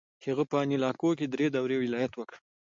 هغه په انیلاکو کې درې دورې ولایت وکړ.